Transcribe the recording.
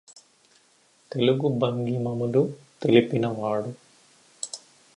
తెలుగు భంగిమములు తెలిపినాడు